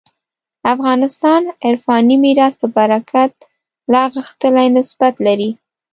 افغانستان عرفاني میراث په برکت لا غښتلی نسبت لري.